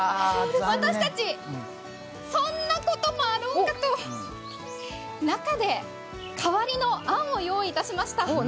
私たち、そんなこともあろうかと中で代わりの案を用意いたしました。